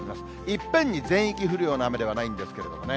いっぺんに全域降るような雨ではないんですけれどもね。